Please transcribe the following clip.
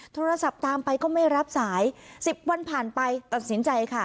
โทรศัพท์ตามไปก็ไม่รับสาย๑๐วันผ่านไปตัดสินใจค่ะ